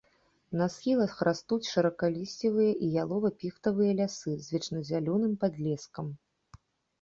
На схілах растуць шырокалісцевыя і ялова-піхтавыя лясы з вечназялёным падлескам.